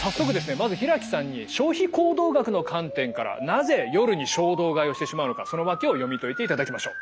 まず平木さんに消費行動学の観点からなぜ夜に衝動買いをしてしまうのかそのワケを読み解いていただきましょう。